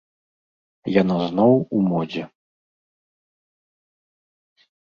Яна зноў у модзе.